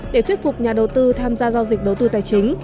để thuyết phục nhà đầu tư tham gia giao dịch đầu tư tài chính